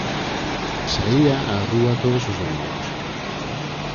Saía á rúa todos os domingos.